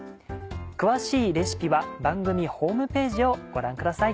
詳しいレシピは番組ホームページをご覧ください。